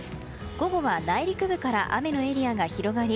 午後は内陸部から雨のエリアが広がり